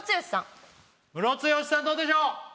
ムロツヨシさんどうでしょう？